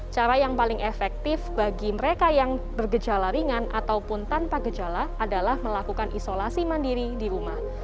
cara yang paling efektif bagi mereka yang bergejala ringan ataupun tanpa gejala adalah melakukan isolasi mandiri di rumah